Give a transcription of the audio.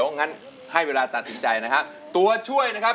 บอกลงว่าคุณอาภาพรนะครับจะใช้หรือไม่ใช้ครับ